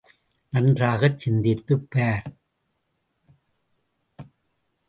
நன்றாகச் சிந்தித்துப் பார்.